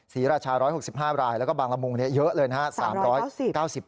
ศรีราชา๑๖๕รายแล้วก็บางละมุงเยอะเลยนะครับ